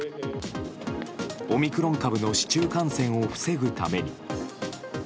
オミクロン株の市中感染を防ぐために。